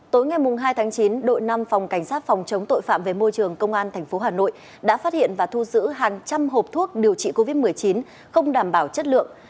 tối ngày hai tháng chín đội năm phòng cảnh sát phòng chống tội phạm về môi trường công an tp hà nội đã phát hiện và thu giữ hàng trăm hộp thuốc điều trị covid một mươi chín không đảm bảo chất lượng